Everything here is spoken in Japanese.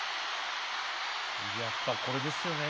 やっぱこれですよね。